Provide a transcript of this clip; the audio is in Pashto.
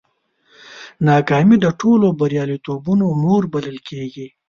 ناکامي د ټولو بریالیتوبونو مور بلل کېږي.